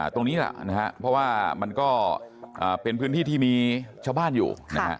ตรงนี้แหละนะครับเพราะว่ามันก็เป็นพื้นที่ที่มีชาวบ้านอยู่นะฮะ